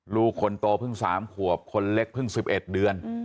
ลูกคนโตเพิ่ง๓ขวบคนเล็กเพิ่ง๑๑เดือน